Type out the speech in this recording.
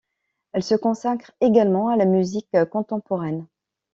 Elle se consacre également à la musique contemporaine.